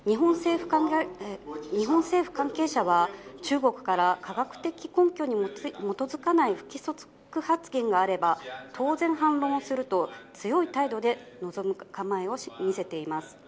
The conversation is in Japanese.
日本政府関係者は、中国から科学的根拠に基づかない不規則発言があれば、当然反論すると、強い態度で臨む構えを見せています。